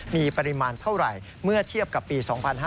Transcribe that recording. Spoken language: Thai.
มีปริมาณเท่าไหร่เมื่อเทียบกับปี๒๕๕๙